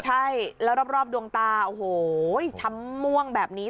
ใช่แล้วรอบดวงตาโอ้โหช้ำม่วงแบบนี้